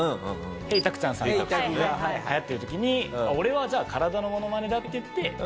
たくちゃんさんが流行ってる時に「俺はじゃあ体のモノマネだ」って言ってＨＥＹ！